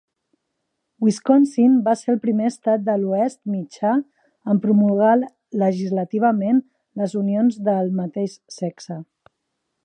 Wisconsin va ser el primer estat de l'Oest Mitjà en promulgar legislativament les unions de el mateix sexe.